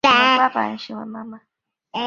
大和小学国的食料大臣。